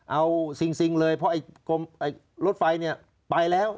เอาสิ่งเลยเพราะรถไฟเนี่ยไปแล้ว